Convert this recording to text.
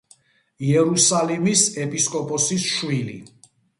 იერუსალიმის ეპისკოპოსის შვილი.